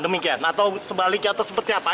demikian atau sebaliknya atau seperti apa